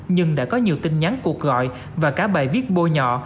nhưng đã có nhiều tin nhắn cuộc gọi và cả bài viết bôi nhọ